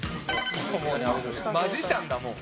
マジシャンだもう。